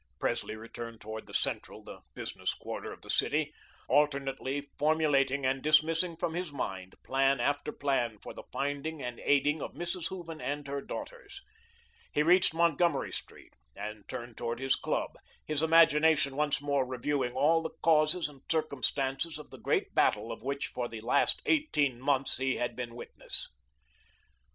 Presley returned toward the central, the business quarter of the city, alternately formulating and dismissing from his mind plan after plan for the finding and aiding of Mrs. Hooven and her daughters. He reached Montgomery Street, and turned toward his club, his imagination once more reviewing all the causes and circumstances of the great battle of which for the last eighteen months he had been witness.